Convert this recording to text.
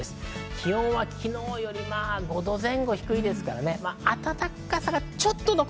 気温は昨日より５度前後低いです。